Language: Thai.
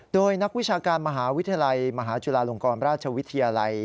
โดยนักวิชาการมหาวิทยาลัยมหาจุฬาลงกรราชวิทยาลัย